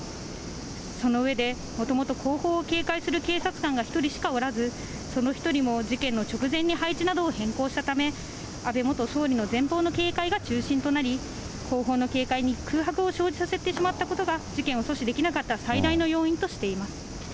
その上で、もともと後方を警戒する警察官が１人しかおらず、その１人も事件の直前に配置などを変更したため、安倍元総理の前方の警戒が中心となり、後方の警戒に空白を生じさせてしまったことが、事件を阻止できなかった最大の要因としています。